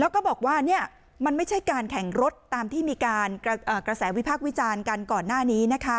แล้วก็บอกว่ามันไม่ใช่การแข่งรถตามที่มีการกระแสวิพากษ์วิจารณ์กันก่อนหน้านี้นะคะ